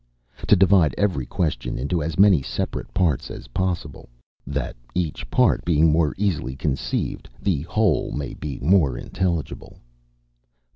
To divide every question into as many separate parts as possible, that each part being more easily conceived, the whole may be more intelligible.